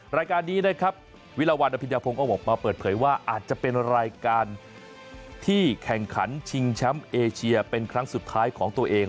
รายการนี้นะครับวิราวันอภิญญาพงศ์ก็ออกมาเปิดเผยว่าอาจจะเป็นรายการที่แข่งขันชิงแชมป์เอเชียเป็นครั้งสุดท้ายของตัวเอง